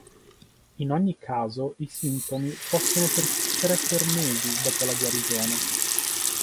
In ogni caso i sintomi possono persistere per mesi dopo la guarigione.